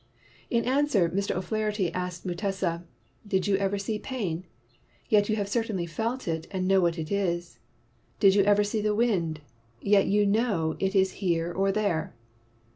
In answer, Mr. O 'Flaherty asked Mutesa, 1 ' Did you ever see pain % Yet you have cer tainly felt it and know what it is. Did you ever see the wind? Yet you know it is here or there."